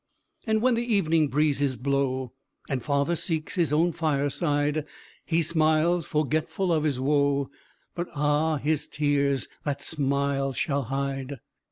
IV And when the evening breezes blow, And father seeks his own fireside, He smiles, forgetful of his woe, But ah! his tears that smile shall hide.